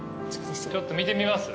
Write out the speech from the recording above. ちょっと見てみます？